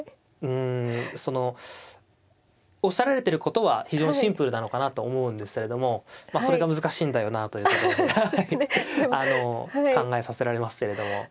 うんそのおっしゃられてることは非常にシンプルなのかなと思うんですけれどもまあそれが難しいんだよなというところであの考えさせられますけれども。